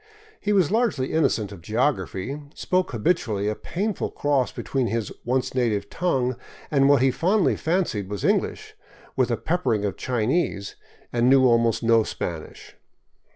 He was largely innocent of geography, spoke habitually a painful cross between his once native tongue and what he fondly fancied was English, with a peppering of Chinese, and knew almost no Spanish.